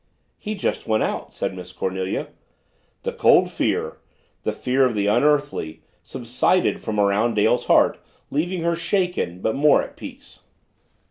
"He just went out," said Miss Cornelia. The cold fear, the fear of the unearthly, subsided from around Dale's heart, leaving her shaken but more at peace.